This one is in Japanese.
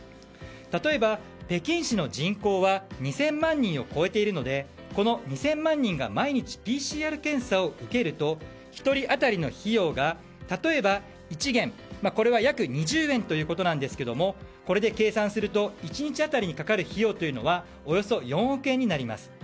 例えば、北京市の人口は２０００万人を超えているのでこの２０００万人が毎日ＰＣＲ検査を受けると１人当たりの費用が例えば、１元これは約２０円ということですがこれで計算すると１日当たりにかかる費用というのはおよそ４億円になります。